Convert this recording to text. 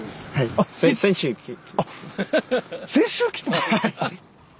先週来た。